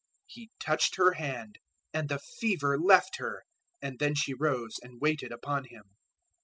008:015 He touched her hand and the fever left her: and then she rose and waited upon Him.